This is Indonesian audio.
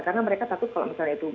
karena mereka takut kalau misalnya itu